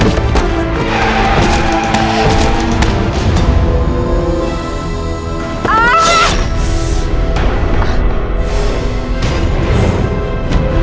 aku udah gagel banget di badan ya